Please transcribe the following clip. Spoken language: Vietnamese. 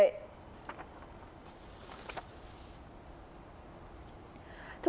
điện tử điện năng tiêu thụ đều được kiểm định đặt tiêu chuẩn của bộ kế hoạch và công nghiệp